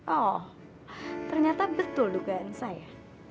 oh ternyata betul dugaan saya